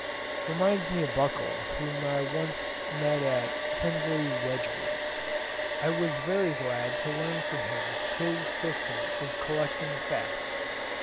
—reminds me of Buckle whom I once met at Hensleigh Wedgwood's. I was very glad to learn from him his system of collecting facts.